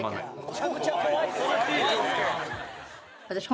めちゃくちゃ怖い。